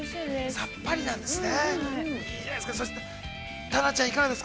さっぱりなんですね。